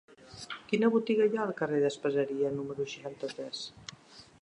Quina botiga hi ha al carrer d'Espaseria número seixanta-tres?